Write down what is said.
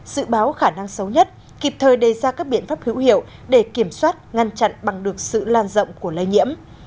dự báo khả năng xấu nhất kịp thời đề ra các biện pháp hữu hiệu để kiểm soát ngăn chặn bằng được sự lan rộng của lây nhiễm